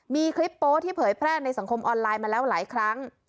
มีคลิปโป๊ที่เผยแพร่ในสังคมออนไลน์มาแล้วหลายครั้ง